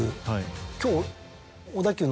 今日。